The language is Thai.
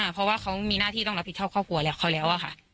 เพราะว่าเขามีหน้าที่ต้องรับผิดชอบครอบครัวแล้วเขาแล้วค่ะ